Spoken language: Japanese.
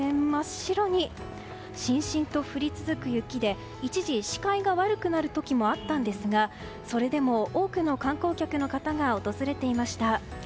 しんしんと降り続く雪で一時、視界が悪くなる時もあったんですが、それでも多くの観光客の方が訪れていました。